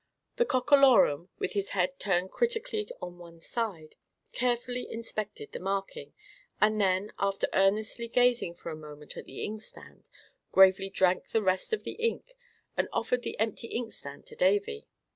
The Cockalorum, with his head turned critically on one side, carefully inspected the marking, and then, after earnestly gazing for a moment at the inkstand, gravely drank the rest of the ink and offered the empty inkstand to Davy.